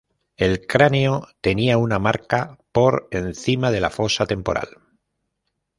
El cráneo tenía una marca por encima de la fosa temporal.